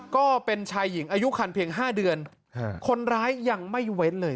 ก็เป็นชายหญิงอายุคันเพียง๕เดือนคนร้ายยังไม่เว้นเลย